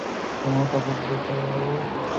আমরা ওদের ঠিক করে ছাড়বো।